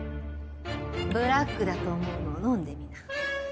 ブラックだと思うのを飲んでみな。